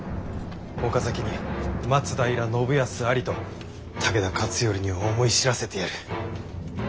岡崎に松平信康ありと武田勝頼に思い知らせてやる。